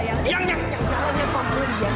nyang nyang nyang jalannya apa malu ya